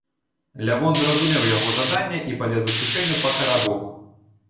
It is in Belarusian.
Лявон зразумеў яго жаданне і палез у кішэню па карабок.